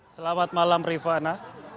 selamat malam rifana